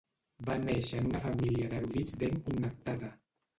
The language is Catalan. Va néixer en una família d'erudits ben connectada.